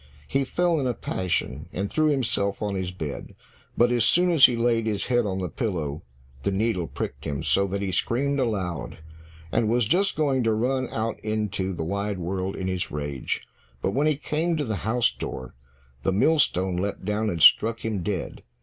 He fell in a passion, and threw himself on his bed, but as soon as he laid his head on the pillow, the needle pricked him, so that he screamed aloud, and was just going to run out into the wide world in his rage, but when he came to the house door, the millstone leapt down and struck him dead.